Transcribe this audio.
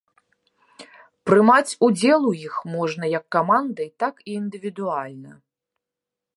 Прымаць удзел у іх можна як камандай, так і індывідуальна.